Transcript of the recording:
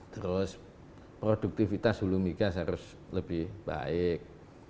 terus produktivitas hulu migas harus lebih baik